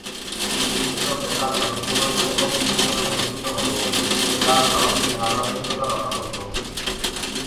এসব লেখার অনেকগুলোই একক সেশনে অনুষ্ঠিত হতো যা স্বাভাবিক ধারাবাহিকতা রক্ষা করত।